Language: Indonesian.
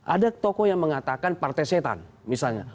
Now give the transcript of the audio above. ada tokoh yang mengatakan partai setan misalnya